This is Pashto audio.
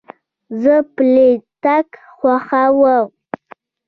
زه پلي تګ خوښوم.